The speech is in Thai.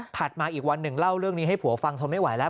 มาอีกวันหนึ่งเล่าเรื่องนี้ให้ผัวฟังทนไม่ไหวแล้ว